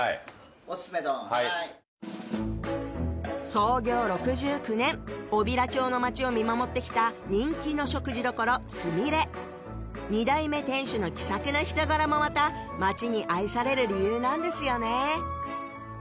はいはい創業６９年小平町の町を見守ってきた人気の食事処「すみれ」二代目店主の気さくな人柄もまた町に愛される理由なんですよね